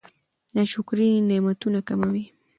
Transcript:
ناشکري نعمتونه کموي.